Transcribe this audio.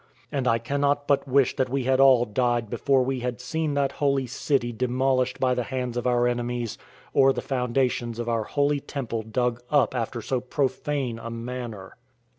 And I cannot but wish that we had all died before we had seen that holy city demolished by the hands of our enemies, or the foundations of our holy temple dug up after so profane a manner.